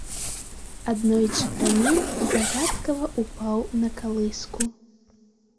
Аднойчы прамень загадкава ўпаў на калыску.